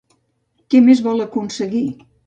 Què més vol aconseguir?